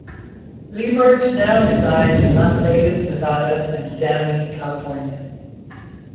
Liebert now resides in Las Vegas, Nevada and Downey, California.